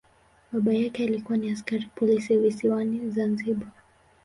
Baba yake alikuwa ni askari polisi visiwani Zanzibar.